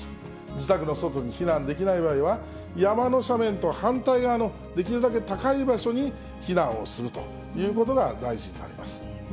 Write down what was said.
自宅の外に避難できない場合は、山の斜面と反対側のできるだけ高い場所に避難をするということが大事になります。